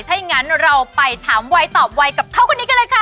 ถ้าอย่างนั้นเราไปถามวัยตอบวัยกับเขาคนนี้กันเลยค่ะ